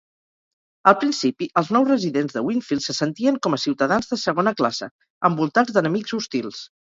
Al principi, els nous residents de Winfield se sentien com a ciutadans de segona classe, envoltats d'enemics hostils.